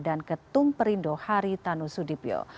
dan ketum perindo hari tanu sudipyo